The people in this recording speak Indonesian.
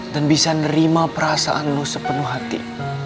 dan bisa nerima perasaan lo sepenuh hati